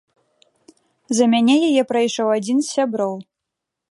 За мяне яе прайшоў адзін з сяброў.